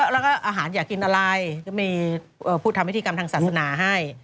แล้วก็อาหารอยากกินอะไรก็มีผู้ทำพิธีกรรมทางศาสนาให้